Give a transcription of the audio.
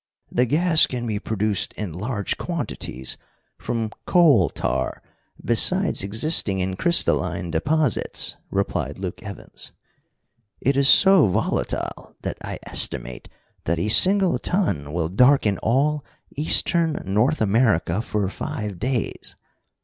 "The gas can be produced in large quantities from coal tar besides existing in crystalline deposits," replied Luke Evans. "It is so volatile that I estimate that a single ton will darken all eastern North America for five days.